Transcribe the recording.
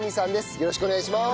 よろしくお願いします。